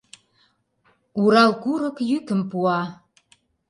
Урал курык йӱкым пуа...